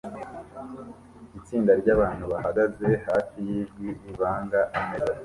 Itsinda ryabantu bahagaze hafi yijwi rivanga ameza